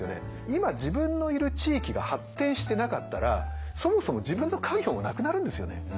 今自分のいる地域が発展してなかったらそもそも自分の家業もなくなるんですよね。